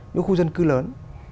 những khu dân cư lớn